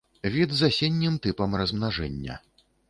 Від з асеннім тыпам размнажэння.